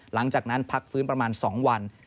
หลังจากนั้นพักฟื้นประมาณ๒วัน